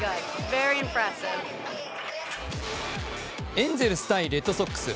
エンゼルス対レッドソックス。